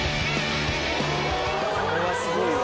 これはすごいわ。